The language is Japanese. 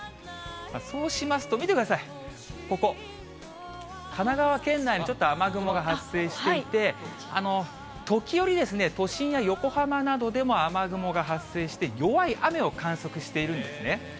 そうしますと、見てください、ここ、神奈川県内にちょっと雨雲が発生していて、時折、都心や横浜などでも雨雲が発生して、弱い雨を観測しているんですね。